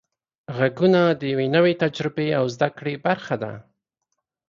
غږونه د یوې نوې تجربې او زده کړې برخه ده.